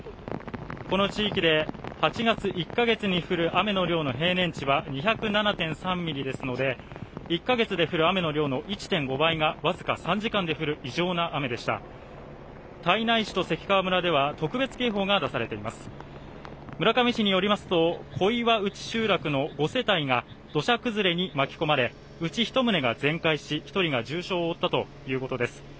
この地域で８月１か月に降る雨の量の平年値は２０７．３ミリですので１か月で降る雨の量の１．５倍がわずか３時間で降るような雨でした胎内市と関川村では特別警報が出されています村上市によりますと小岩内集落の５世帯が土砂崩れに巻き込まれうち一棟が全壊し一人が重傷だということです